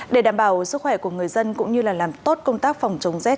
để đảm bảo sức khỏe của người dân cũng như là làm tốt công tác phòng chống rét